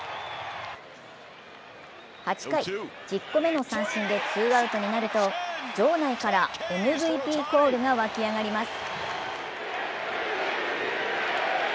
８回、１０個目の三振でツーアウトになると、場内からＭＶＰコールが沸き上がります。